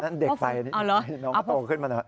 นั่นเด็กใสน้องเขาตกขึ้นมานะ